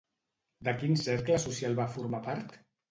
De quin cercle social va formar part?